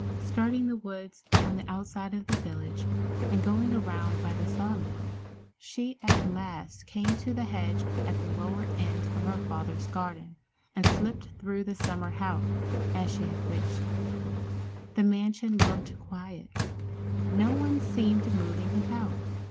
Skirting the woods on the outside of the village, and going around by the saw mill, she at last came to the hedge at the lower end of her father's garden, and slipped through to the summer house, as she had wished. The mansion looked quiet. No one seemed moving about.